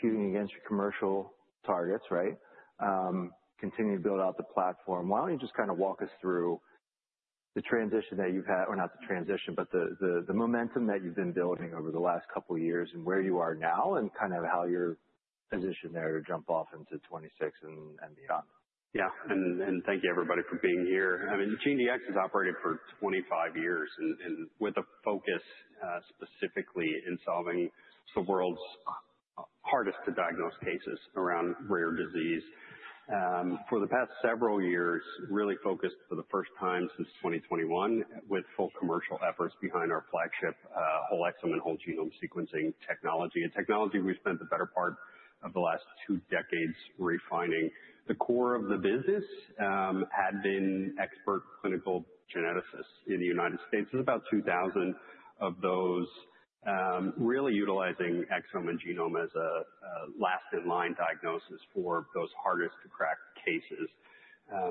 Competing against your commercial targets, right? Continue to build out the platform. Why don't you just kind of walk us through the momentum that you've been building over the last couple years and where you are now and kind of how you're positioned there to jump off into 2026 and beyond. Yeah. Thank you everybody for being here. I mean, GeneDx has operated for 25 years and with a focus specifically in solving the world's hardest to diagnose cases around rare disease. For the past several years, really focused for the first time since 2021 with full commercial efforts behind our flagship whole exome and whole genome sequencing technology. A technology we spent the better part of the last two decades refining. The core of the business had been expert clinical geneticists in the United States. There's about 2,000 of those really utilizing exome and genome as a last in line diagnosis for those hardest to crack cases.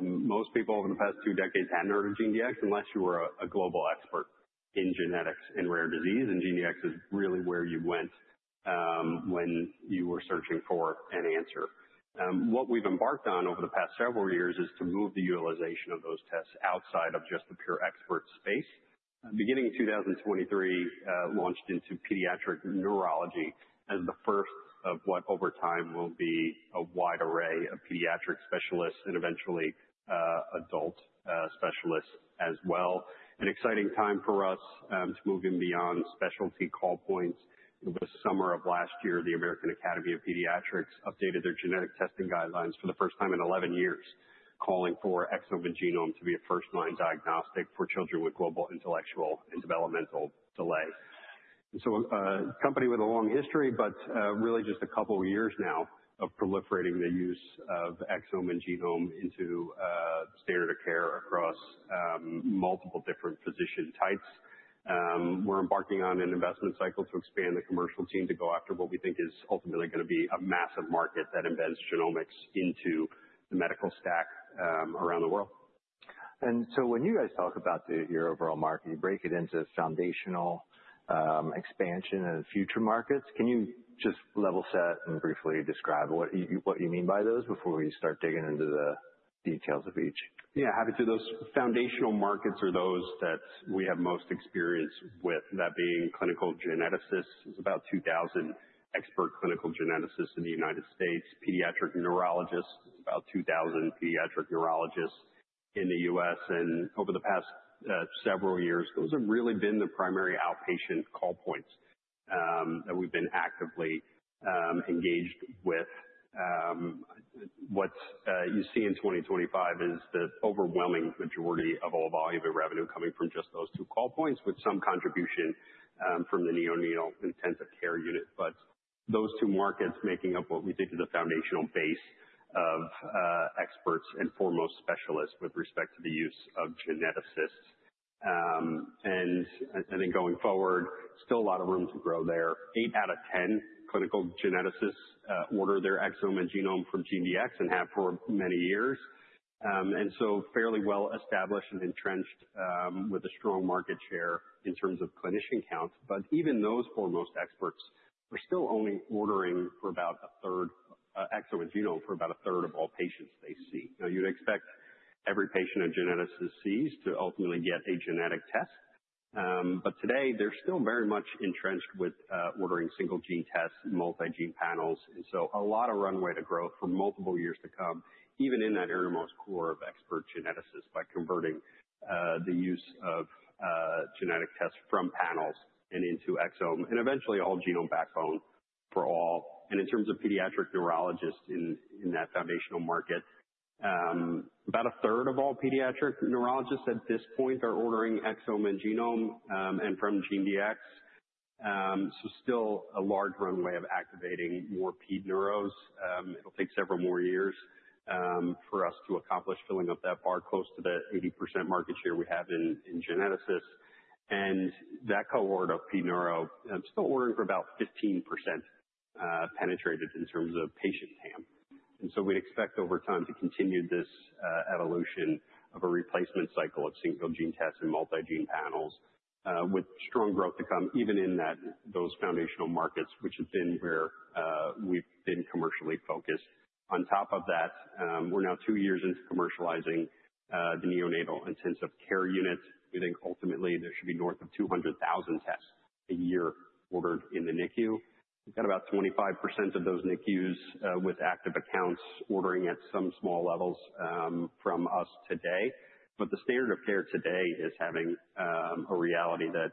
Most people over the past two decades hadn't heard of GeneDx unless you were a global expert in genetics and rare disease. GeneDx is really where you went, when you were searching for an answer. What we've embarked on over the past several years is to move the utilization of those tests outside of just the pure expert space. Beginning in 2023, launched into Pediatric Neurology as the first of what over time will be a wide array of pediatric specialists and eventually, adult, specialists as well. An exciting time for us, to move in beyond specialty call points. The summer of last year, the American Academy of Pediatrics updated their genetic testing guidelines for the first time in 11 years, calling for exome and genome to be a first line diagnostic for children with global intellectual and developmental delay. A company with a long history, but really just a couple years now of proliferating the use of exome and genome into standard of care across multiple different physician types. We're embarking on an investment cycle to expand the commercial team to go after what we think is ultimately gonna be a massive market that embeds genomics into the medical stack around the world. When you guys talk about your overall market, you break it into foundational, expansion and future markets. Can you just level set and briefly describe what you mean by those before we start digging into the details of each? Yeah. Happy to. Those foundational markets are those that we have most experience with, that being clinical geneticists. There's about 2,000 expert clinical geneticists in the United States. Pediatric neurologists, there's about 2,000 pediatric neurologists in the U.S. Over the past several years, those have really been the primary outpatient call points that we've been actively engaged with. What you see in 2025 is the overwhelming majority of all volume of revenue coming from just those two call points with some contribution from the neonatal intensive care unit. Those two markets making up what we think is a foundational base of experts and foremost specialists with respect to the use of genetics. I think going forward, still a lot of room to grow there. Eight out of 10 clinical geneticists order their exome and genome from GeneDx and have for many years. Fairly well established and entrenched with a strong market share in terms of clinician counts. Even those foremost experts are still only ordering exome and genome for about a third of all patients they see. Now you'd expect every patient a geneticist sees to ultimately get a genetic test. Today, they're still very much entrenched with ordering single gene tests, multi-gene panels, and so a lot of runway to growth for multiple years to come, even in that innermost core of expert geneticists by converting the use of genetic tests from panels and into exome, and eventually a whole genome backbone for all. In terms of pediatric neurologists in that foundational market, about a third of all pediatric neurologists at this point are ordering exome and genome and from GeneDx. Still a large runway of activating more ped neuros. It'll take several more years for us to accomplish filling up that bar close to the 80% market share we have in geneticists. That cohort of ped neuro still ordering for about 15% penetrated in terms of patient TAM. We'd expect over time to continue this evolution of a replacement cycle of single gene tests and multi-gene panels with strong growth to come even in those foundational markets, which have been where we've been commercially focused. On top of that, we're now two years into commercializing the neonatal intensive care unit. We think ultimately there should be north of 200,000 tests a year ordered in the NICU. We've got about 25% of those NICUs with active accounts ordering at some small levels from us today. The standard of care today is having a reality that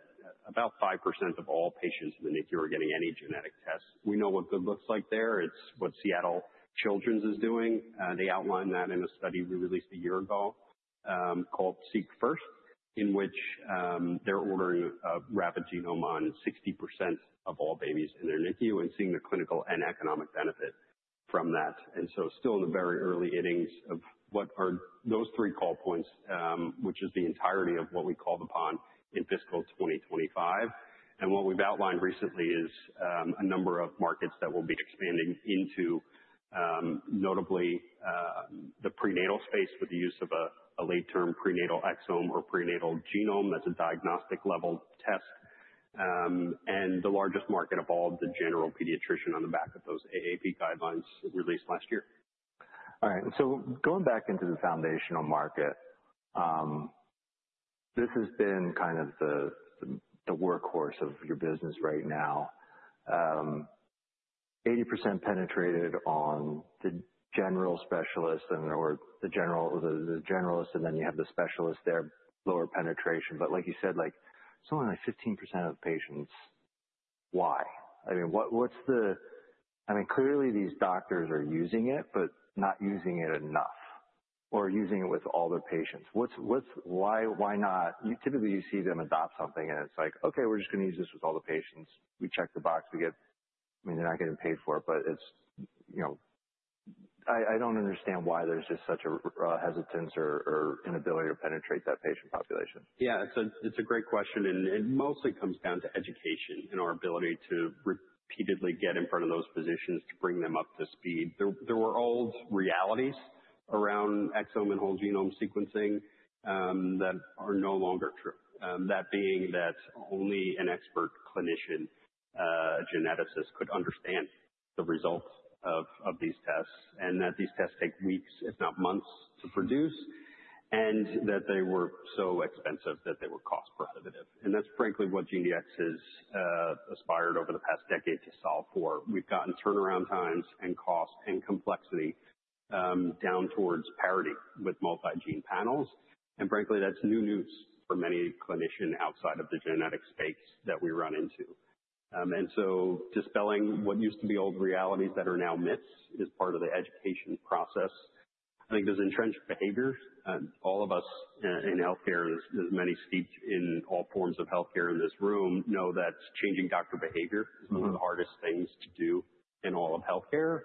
about 5% of all patients in the NICU are getting any genetic tests. We know what good looks like there. It's what Seattle Children's is doing. They outlined that in a study we released a year ago called SeqFirst, in which they're ordering a rapid genome on 60% of all babies in their NICU and seeing the clinical and economic benefit from that. Still in the very early innings of what are those three call points, which is the entirety of what we called upon in fiscal 2025. What we've outlined recently is a number of markets that we'll be expanding into, notably the prenatal space with the use of a late-term ExomeDx Prenatal or GenomeDx Prenatal, that's a diagnostic level test. The largest market of all, the general pediatrician on the back of those AAP guidelines released last year. All right. Going back into the foundational market, this has been kind of the workhorse of your business right now. 80% penetrated on the general specialists and/or the generalists, and then you have the specialists there, lower penetration. Like you said, like, something like 15% of patients. Why? I mean, what's the. I mean, clearly these doctors are using it, but not using it enough or using it with all their patients. What's why not. Typically, you see them adopt something, and it's like, "Okay, we're just going to use this with all the patients." We check the box, we get. I mean, they're not getting paid for it, but it's, you know. I don't understand why there's just such a hesitance or inability to penetrate that patient population. Yeah. It's a great question, and it mostly comes down to education and our ability to repeatedly get in front of those physicians to bring them up to speed. There were old realities around exome and whole genome sequencing that are no longer true. That being that only an expert clinician, a geneticist could understand the results of these tests, and that these tests take weeks, if not months, to produce, and that they were so expensive that they were cost prohibitive. That's frankly what GeneDx has aspired over the past decade to solve for. We've gotten turnaround times and cost and complexity down towards parity with multi-gene panels. That's new news for many clinician outside of the genetic space that we run into. Dispelling what used to be old realities that are now myths is part of the education process. I think there's entrenched behaviors. All of us in healthcare, as many steeped in all forms of healthcare in this room know that changing doctor behavior Mm-hmm. is one of the hardest things to do in all of healthcare.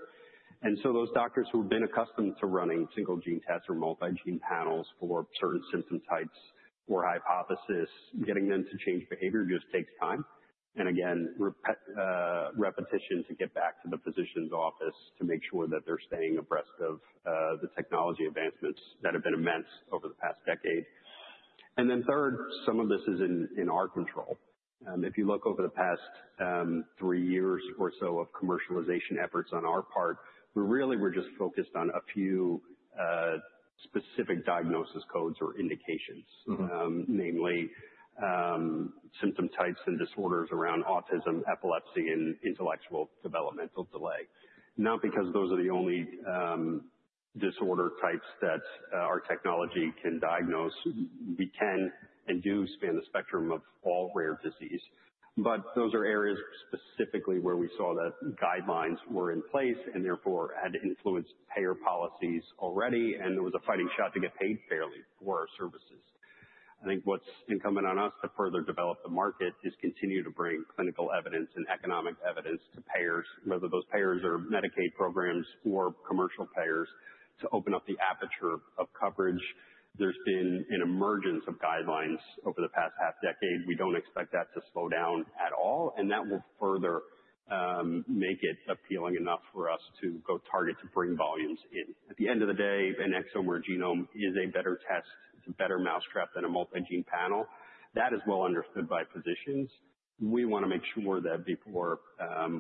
Those doctors who have been accustomed to running single gene tests or multi-gene panels for certain symptom types or hypothesis, getting them to change behavior just takes time. Again, repetition to get back to the physician's office to make sure that they're staying abreast of the technology advancements that have been immense over the past decade. Third, some of this is in our control. If you look over the past three years or so of commercialization efforts on our part, we really were just focused on a few specific diagnosis codes or indications. Mm-hmm. Namely, symptom types and disorders around autism, epilepsy, and intellectual developmental delay. Not because those are the only disorder types that our technology can diagnose. We can and do span the spectrum of all rare disease. Those are areas specifically where we saw that guidelines were in place and therefore had influenced payer policies already, and there was a fighting chance to get paid fairly for our services. I think what's incumbent on us to further develop the market is continue to bring clinical evidence and economic evidence to payers, whether those payers are Medicaid programs or commercial payers, to open up the aperture of coverage. There's been an emergence of guidelines over the past half decade. We don't expect that to slow down at all, and that will further make it appealing enough for us to go target to bring volumes in. At the end of the day, an exome or a genome is a better test. It's a better mousetrap than a multi-gene panel. That is well understood by physicians. We want to make sure that before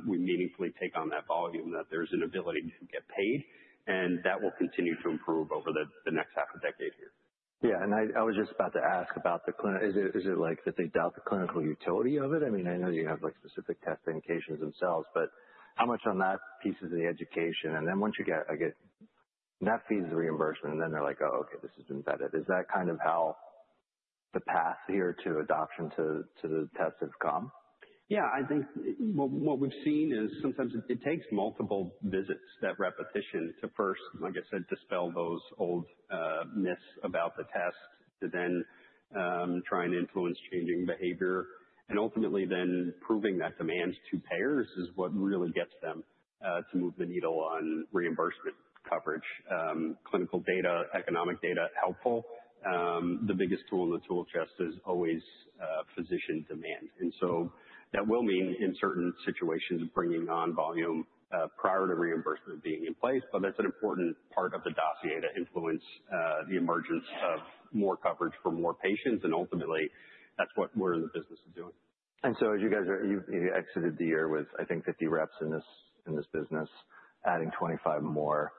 we meaningfully take on that volume that there's an ability to get paid, and that will continue to improve over the next half a decade here. Yeah. I was just about to ask about the clinical utility of it. Is it like that they doubt the clinical utility of it? I mean, I know you have like specific test indications themselves, but how much on that piece is the education? Once I get net fees reimbursement, they're like, "Oh, okay, this has been vetted." Is that kind of how the path here to adoption to the test have come? Yeah. I think what we've seen is sometimes it takes multiple visits, that repetition to first, like I said, dispel those old myths about the test to then try and influence changing behavior. Ultimately then proving that demand to payers is what really gets them to move the needle on reimbursement coverage. Clinical data, economic data, helpful. The biggest tool in the tool chest is always physician demand. That will mean in certain situations, bringing on volume prior to reimbursement being in place, but that's an important part of the dossier to influence the emergence of more coverage for more patients. Ultimately, that's what we're in the business of doing. You've exited the year with, I think, 50 reps in this business, adding 25 more.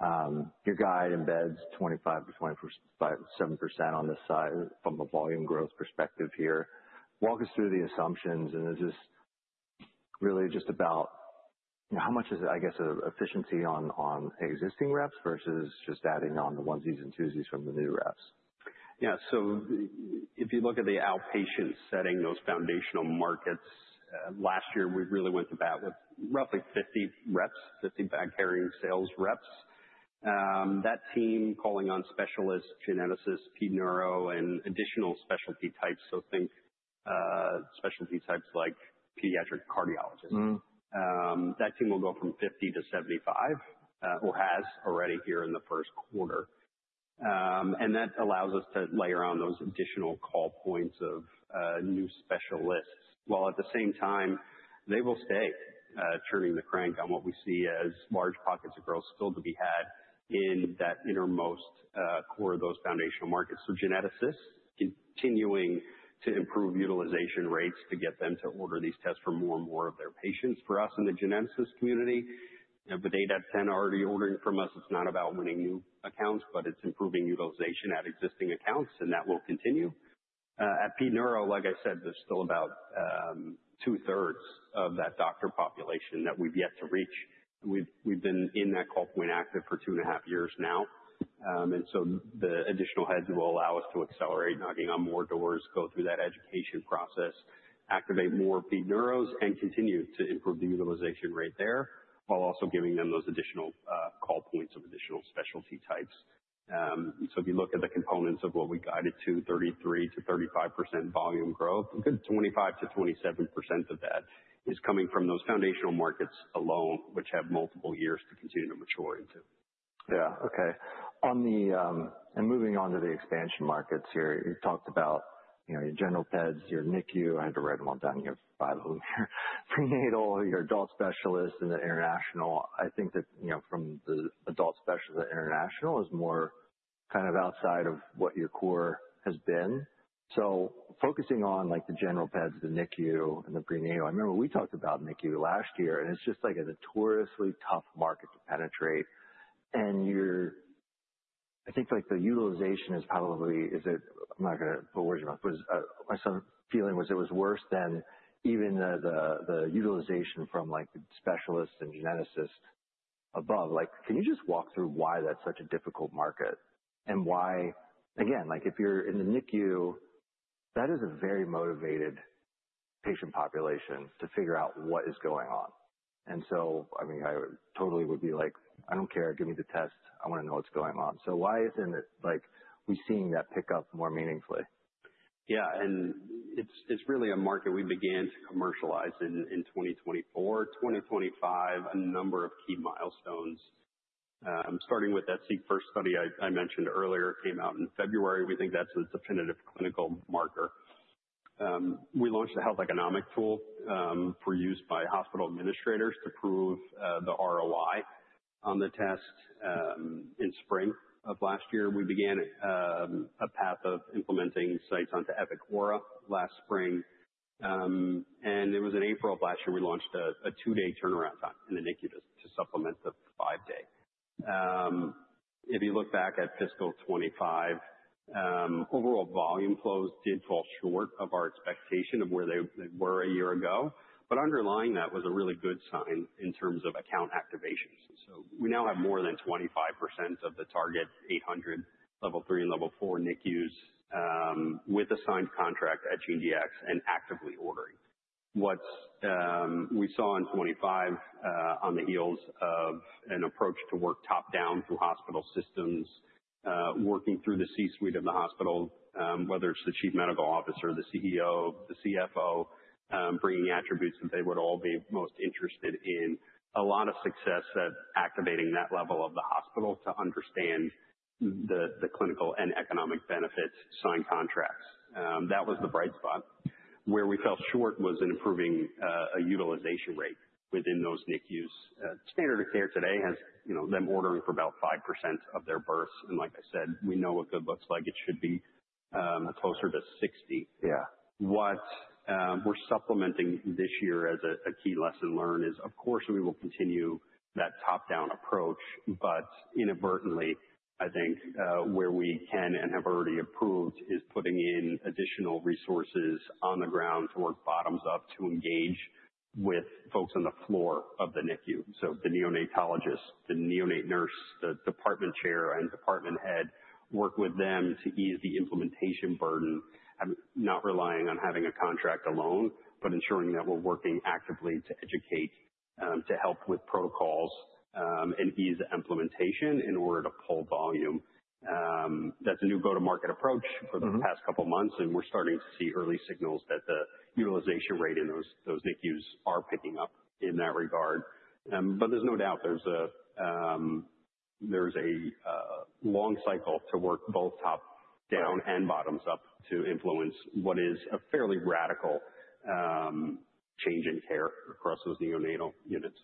Your guide embeds 25%-25.7% on this side from a volume growth perspective here. Walk us through the assumptions, and is this really just about how much is, I guess, efficiency on existing reps versus just adding on the onesies and twosies from the new reps? Yeah. If you look at the outpatient setting, those foundational markets, last year, we really went to bat with roughly 50 reps, 50 bag-carrying sales reps. That team calling on specialists, geneticists, ped neuro, and additional specialty types. Think, specialty types like pediatric cardiologists. Mm-hmm. That team will go from 50 to 75, or has already here in the first quarter. That allows us to layer on those additional call points of new specialists, while at the same time they will stay churning the crank on what we see as large pockets of growth still to be had in that innermost core of those foundational markets. Geneticists continuing to improve utilization rates to get them to order these tests for more and more of their patients. For us in the geneticist community, with eight out of 10 already ordering from us, it's not about winning new accounts, but it's improving utilization at existing accounts, and that will continue. At Pediatric Neurology, like I said, there's still about two-thirds of that doctor population that we've yet to reach. We've been in that call point active for two and a half years now, and so the additional heads will allow us to accelerate knocking on more doors, go through that education process, activate more ped neuros, and continue to improve the utilization rate there while also giving them those additional call points of additional specialty types. If you look at the components of what we guided to 33%-35% volume growth, a good 25%-27% of that is coming from those foundational markets alone, which have multiple years to continue to mature into. Yeah. Okay. On the moving on to the expansion markets here, you talked about, you know, your general peds, your NICU. I had to write them all down. You have five of them here. Prenatal, your adult specialists in the international. I think that, you know, from the adult specialist, the international is more kind of outside of what your core has been. Focusing on like the general peds, the NICU and the prenatal, I remember we talked about NICU last year, and it's just like a notoriously tough market to penetrate. You're, I think, like the utilization is probably. I'm not going to put words in your mouth. My feeling was it was worse than even the utilization from like the specialists and geneticists above. Like, can you just walk through why that's such a difficult market and why? Again, like if you're in the NICU, that is a very motivated patient population to figure out what is going on. I mean, I totally would be like, "I don't care. Give me the test. I want to know what's going on." Why isn't it like we're seeing that pick up more meaningfully? Yeah. It's really a market we began to commercialize in 2024. 2025, a number of key milestones. Starting with that SeqFirst study I mentioned earlier came out in February. We think that's a definitive clinical marker. We launched a health economic tool for use by hospital administrators to prove the ROI on the test in spring of last year. We began a path of implementing sites onto Epic Aura last spring. It was in April of last year we launched a two-day turnaround time in the NICU to supplement the five-day. If you look back at fiscal 2025, overall volume flows did fall short of our expectation of where they were a year ago. Underlying that was a really good sign in terms of account activations. We now have more than 25% of the target 800 Level III and Level IV NICUs with assigned contract at GeneDx and actively ordering. We saw in 2025, on the heels of an approach to work top-down through hospital systems, working through the C-suite of the hospital, whether it's the chief medical officer, the CEO, the CFO, bringing attributes that they would all be most interested in. A lot of success at activating that level of the hospital to understand the clinical and economic benefits, sign contracts. That was the bright spot. Where we fell short was in improving a utilization rate within those NICUs. Standard of care today has, you know, them ordering for about 5% of their births. Like I said, we know what good looks like. It should be closer to 60. Yeah. We're supplementing this year as a key lesson learned is, of course, we will continue that top-down approach. Inadvertently, I think, where we can and have already approved is putting in additional resources on the ground to work bottoms up to engage with folks on the floor of the NICU. The neonatologist, the neonatal nurse, the department chair and department head, work with them to ease the implementation burden, not relying on having a contract alone, but ensuring that we're working actively to educate, to help with protocols, and ease implementation in order to pull volume. That's a new go-to-market approach for the past couple months, and we're starting to see early signals that the utilization rate in those NICUs are picking up in that regard. There's no doubt there's a long cycle to work both top-down and bottom-up to influence what is a fairly radical change in care across those neonatal units.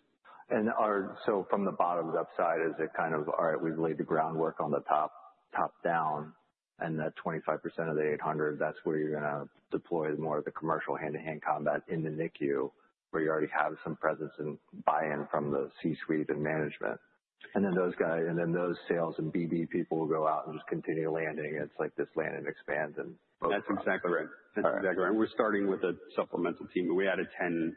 From the bottom-up side, is it kind of all right? We've laid the groundwork on the top-down, and that 25% of the 800, that's where you're going to deploy more of the commercial hand-to-hand combat in the NICU, where you already have some presence and buy-in from the C-suite and management. Those sales and BB people will go out and just continue landing. It's like this land and expand. That's exactly right. All right. That's exactly right. We're starting with a supplemental team, and we added 10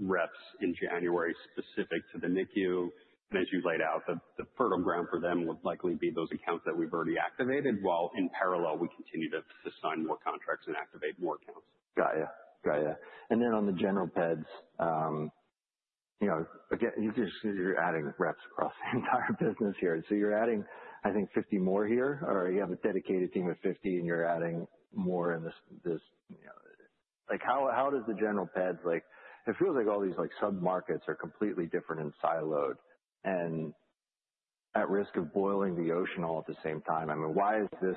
reps in January specific to the NICU. As you laid out, the fertile ground for them would likely be those accounts that we've already activated, while in parallel, we continue to sign more contracts and activate more accounts. Got you. Then on the general peds, you know, again, you're adding reps across the entire business here. You're adding, I think, 50 more here, or you have a dedicated team of 50 and you're adding more in this, you know. Like, how does the general peds. Like, it feels like all these, like, sub-markets are completely different and siloed and at risk of boiling the ocean all at the same time. I mean, why is this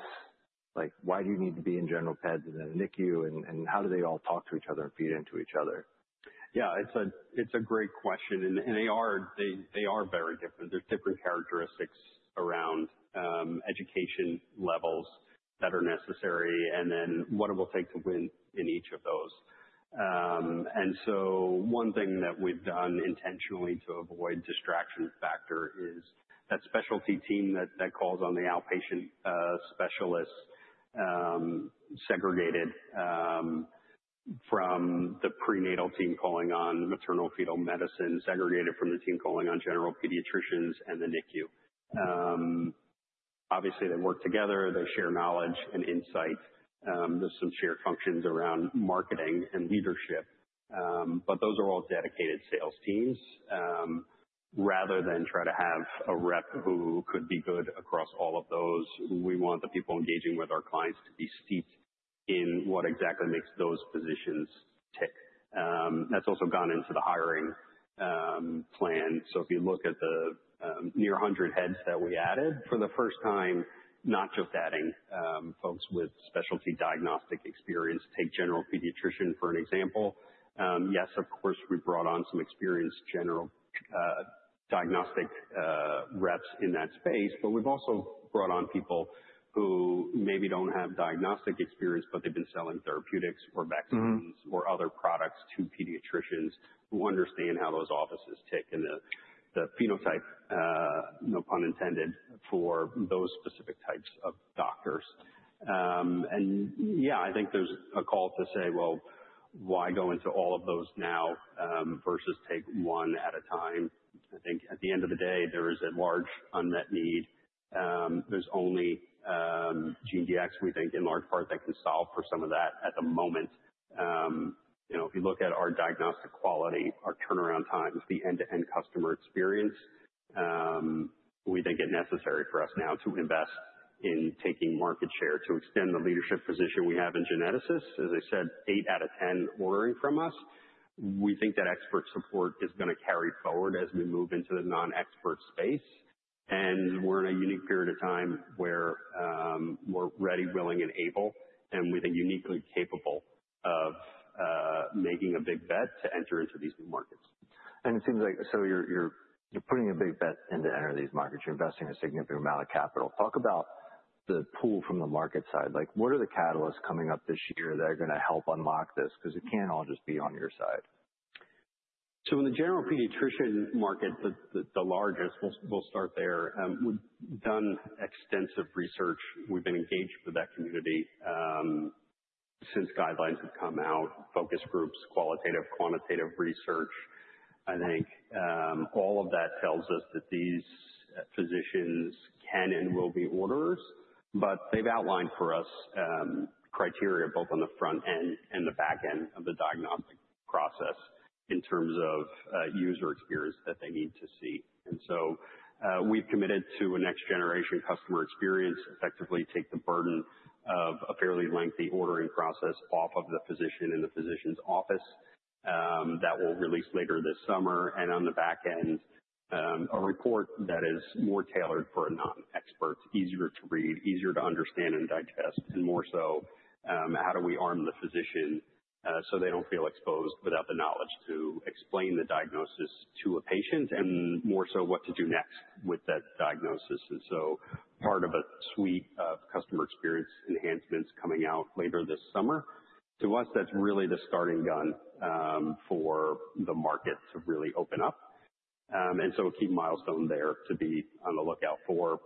like, why do you need to be in general peds and then NICU, and how do they all talk to each other and feed into each other? Yeah. It's a great question. They are very different. There's different characteristics around education levels that are necessary and then what it will take to win in each of those. One thing that we've done intentionally to avoid distraction factor is that specialty team that calls on the outpatient specialists, segregated from the prenatal team calling on maternal-fetal medicine, segregated from the team calling on general pediatricians and the NICU. Obviously, they work together, they share knowledge and insight. There's some shared functions around marketing and leadership. Those are all dedicated sales teams. Rather than try to have a rep who could be good across all of those, we want the people engaging with our clients to be steeped in what exactly makes those positions tick. That's also gone into the hiring plan. If you look at the near 100 heads that we added for the first time, not just adding folks with specialty diagnostic experience. Take general pediatrician for an example. Yes, of course, we brought on some experienced general diagnostic reps in that space, but we've also brought on people who maybe don't have diagnostic experience, but they've been selling therapeutics or vaccines Mm-hmm ...or other products to pediatricians who understand how those offices tick and the phenotype, no pun intended, for those specific types of doctors. Yeah, I think there's a call to say, "Well, why go into all of those now, versus take one at a time?" I think at the end of the day, there is a large unmet need. There's only GeneDx, we think, in large part that can solve for some of that at the moment. You know, if you look at our diagnostic quality, our turnaround times, the end-to-end customer experience, we think it necessary for us now to invest in taking market share to extend the leadership position we have in geneticists. As I said, eight out of 10 ordering from us. We think that expert support is gonna carry forward as we move into the non-expert space. We're in a unique period of time where we're ready, willing, and able, and we think uniquely capable of making a big bet to enter into these new markets. It seems like you're putting a big bet into enter these markets. You're investing a significant amount of capital. Talk about the pull from the market side. Like, what are the catalysts coming up this year that are gonna help unlock this? 'Cause it can't all just be on your side. In the general pediatrician market, the largest, we'll start there. We've done extensive research. We've been engaged with that community since guidelines have come out, focus groups, qualitative, quantitative research. I think all of that tells us that these physicians can and will be orderers, but they've outlined for us criteria both on the front end and the back end of the diagnostic process in terms of user experience that they need to see. We've committed to a next generation customer experience, effectively take the burden of a fairly lengthy ordering process off of the physician in the physician's office that will release later this summer. On the back end, a report that is more tailored for a non-expert, easier to read, easier to understand and digest, and more so, how do we arm the physician, so they don't feel exposed without the knowledge to explain the diagnosis to a patient, and more so what to do next with that diagnosis. Part of a suite of customer experience enhancements coming out later this summer. To us, that's really the starting gun, for the market to really open up. A key milestone there to be on the lookout for,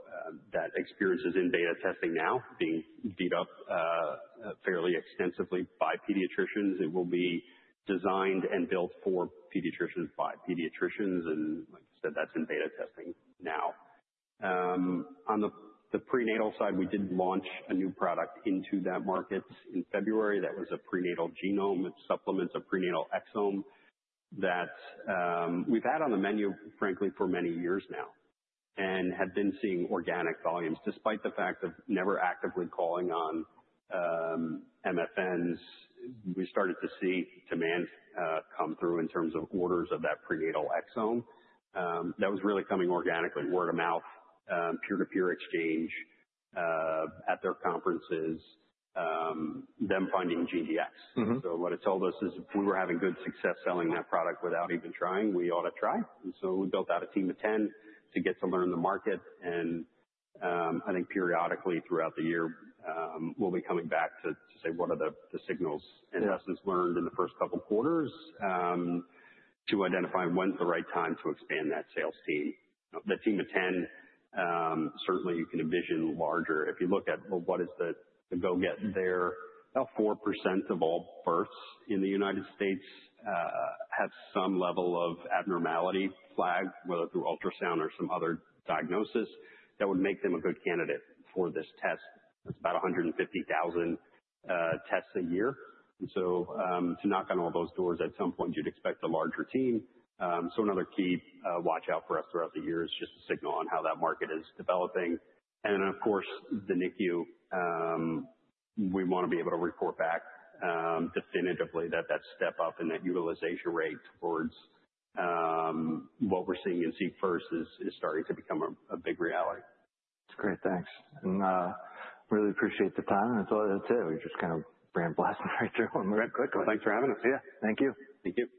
that experience is in beta testing now being beat up, fairly extensively by pediatricians. It will be designed and built for pediatricians by pediatricians, and like I said, that's in beta testing now. On the prenatal side, we did launch a new product into that market in February that was a GenomeDx Prenatal. It supplements a ExomeDx Prenatal that we've had on the menu, frankly, for many years now and had been seeing organic volumes. Despite the fact of never actively calling on MFMs, we started to see demand come through in terms of orders of that ExomeDx Prenatal that was really coming organically, word of mouth, peer-to-peer exchange at their conferences, them finding GeneDx. Mm-hmm. What it told us is if we were having good success selling that product without even trying, we ought to try. We built out a team of 10 to get to learn the market. I think periodically throughout the year, we'll be coming back to say what are the signals and lessons learned in the first couple quarters, to identify when's the right time to expand that sales team. The team of 10, certainly you can envision larger. If you look at what is the goal there, about 4% of all births in the United States have some level of abnormality flagged, whether through ultrasound or some other diagnosis, that would make them a good candidate for this test. That's about 150,000 tests a year. To knock on all those doors, at some point you'd expect a larger team. Another key watch out for us throughout the year is just a signal on how that market is developing. Of course, the NICU, we wanna be able to report back definitively that that step up and that utilization rate towards what we're seeing in SeqFirst is starting to become a big reality. That's great. Thanks. Really appreciate the time. That's all. That's it. We just kind of blasted right through them very quickly. Thanks for having us. Yeah. Thank you. Thank you.